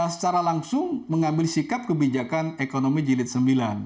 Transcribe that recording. secara langsung mengambil sikap kebijakan ekonomi jilid sembilan